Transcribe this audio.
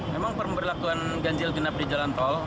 memang pemberlakuan ganjil genap di jalan tol